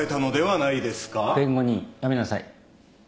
弁護人やめなさい。